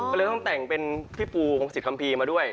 ก็เลยต้องแต่งเป็นพี่ปูของสิทธิคัมพี่มาด้วย